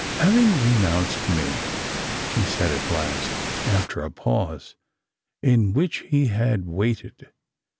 '• Having renounced me," she said at last, after a pause, in which he had waited.